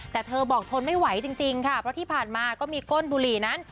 แต่เธอบอกทนไม่ไหวจริงค่ะเพราะที่ผ่านมาก็มีก้นบุหรี่นั้น